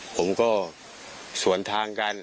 ผมก็สวนทางกัน